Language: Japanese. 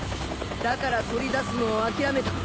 だから取り出すのを諦めた。